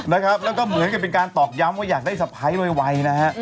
แล้วก็เหมือนกับเป็นการตอกย้ำว่าอยากได้สะพ้ายไวนะฮะ